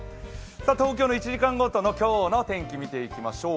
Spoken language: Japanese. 東京の１時間ごとの今日の天気見ていきましょう。